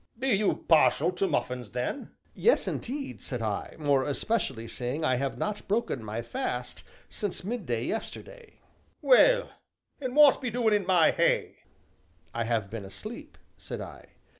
"Be you partial to muffins, then?" "Yes, indeed," said I, "more especially seeing I have not broken my fast since midday yesterday." "Well, an' w'at be doin' in my hay?" "I have been asleep," said I.